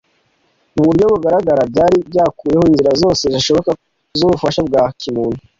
mu buryo bugaragara byari byakuyeho inzira zose zishoboka z’ubufasha bwa kimuntu.